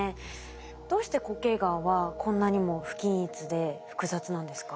どうして固形がんはこんなにも不均一で複雑なんですか？